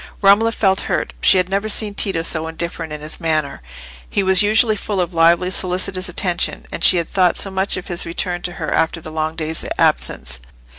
Romola felt hurt. She had never seen Tito so indifferent in his manner; he was usually full of lively solicitous attention. And she had thought so much of his return to her after the long day's absence!